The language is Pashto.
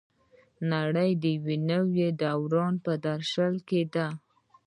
نړۍ د یو نوي دوران په درشل کې ده.